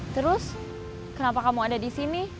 terus kenapa kamu ada disini